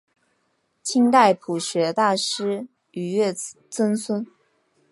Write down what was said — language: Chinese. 清代朴学大师俞樾曾孙。